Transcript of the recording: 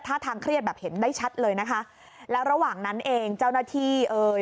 ทางเครียดแบบเห็นได้ชัดเลยนะคะแล้วระหว่างนั้นเองเจ้าหน้าที่เอ่ย